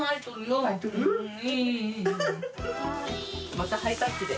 またハイタッチで。